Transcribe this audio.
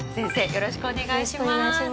よろしくお願いします。